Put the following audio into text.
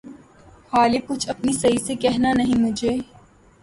غالبؔ! کچھ اپنی سعی سے لہنا نہیں مجھے